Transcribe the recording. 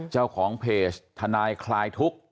เจ้าของเพจทนายคลายทุกข์